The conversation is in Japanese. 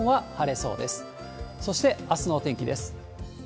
そしてあすのお天気です。